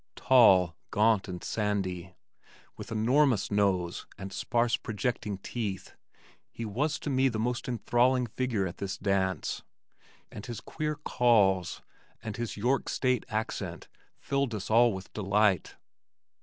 Tall, gaunt and sandy, with enormous nose and sparse projecting teeth, he was to me the most enthralling figure at this dance and his queer "Calls" and his "York State" accent filled us all with delight.